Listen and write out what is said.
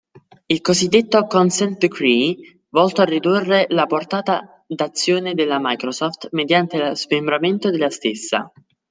Il cosiddetto "Consent Decree", volto a ridurre la portata d'azione della Microsoft mediante lo smembramento della stessa.